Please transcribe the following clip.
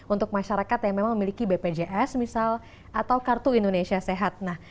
untuk masyarakat yang memiliki bpjs atau kartu indonesia sehat